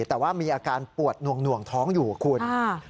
แต่ว่ามีอาการปวดหน่วงท้องอยู่คุณ